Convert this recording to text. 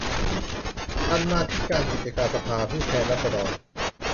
กรรมาธิการกิจการสภาผู้แทนราษฎร